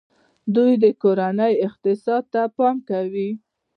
دوی د کورنۍ اقتصاد ته پام کوي.